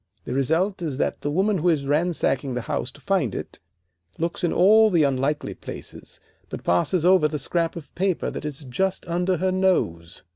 The result is that the woman who is ransacking the house to find it looks in all the unlikely places, but passes over the scrap of paper that is just under her nose.